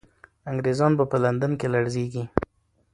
انګریزان به په لندن کې لړزېږي.